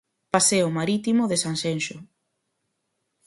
Paseo marítimo de Sanxenxo.